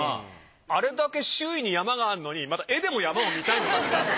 あれだけ周囲に山があるのにまた絵でも山を見たいのかしら？